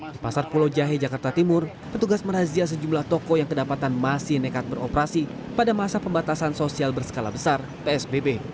di pasar pulau jahe jakarta timur petugas merazia sejumlah toko yang kedapatan masih nekat beroperasi pada masa pembatasan sosial berskala besar psbb